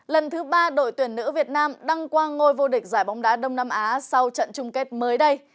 lần thứ ba đội tuyển nữ việt nam đăng quang ngôi vô địch giải bóng đá đông nam á sau trận chung kết mới đây